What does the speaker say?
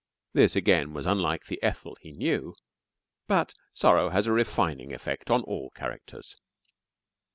This again was unlike the Ethel he knew, but sorrow has a refining effect on all characters.